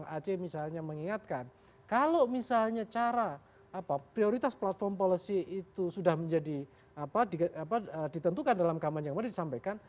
aceh misalnya mengingatkan kalau misalnya cara prioritas platform policy itu sudah menjadi ditentukan dalam kampanye yang kemarin disampaikan